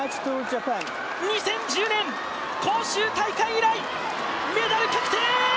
２０１０年、広州大会以来、メダル確定！